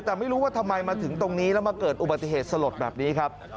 แต่ไม่รู้ว่าทำไมมาถึงตรงนี้แล้วมาเกิดอุบัติเหตุสลดแบบนี้ครับ